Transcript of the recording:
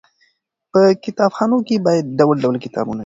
په کتابخانو کې باید ډول ډول کتابونه وي.